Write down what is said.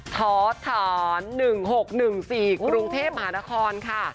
ท้อถอน๑๖๑๔กรุงเทพมหานครค่ะ